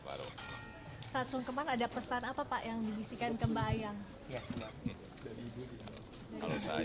saat sungkeman ada pesan apa pak yang dibisikkan ke bayang